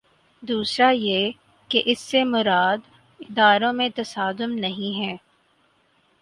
دوسرا یہ کہ اس سے مراد اداروں میں تصادم نہیں ہے۔